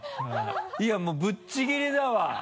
いやもうぶっちぎりだわ。